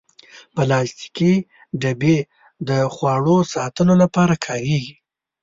پلاستيکي ډبې د خواړو ساتلو لپاره کارېږي.